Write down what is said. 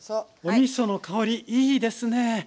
おみその香りいいですね。